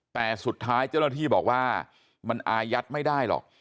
แต่สุดท้ายเจ้าหน้าที่บอกว่ามันอายัดไม่ได้หรอก